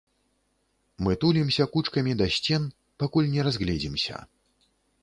Мы тулімся кучкамі да сцен, пакуль не разгледзімся.